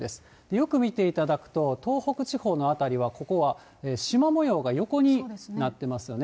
よく見ていただくと、東北地方の辺りは、ここは縞模様が横になってますよね。